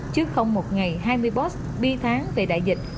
chứ không một ngày hai mươi boss bi tháng về đại dịch